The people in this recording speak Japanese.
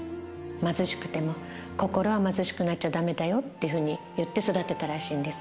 貧しくても、心は貧しくなっちゃだめだよって言って育ってたらしいんです。